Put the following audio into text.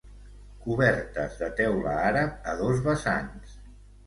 Cobertes de teula àrab a dos vessants.